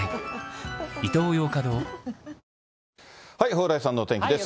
蓬莱さんのお天気です。